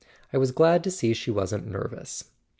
I was glad to see she wasn't nervous."